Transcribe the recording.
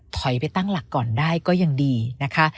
ถอยไปตั้งหลักก่อนได้ก็ยังดีนะคะ